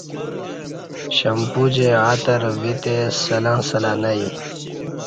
شمپو جے عطر ویتہ سلں سلں نہ یی